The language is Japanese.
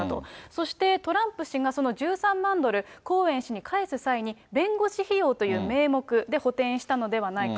そして、トランプ氏がその１３万ドル、コーエン氏に返す際に、弁護士費用という名目で補填したのではないか。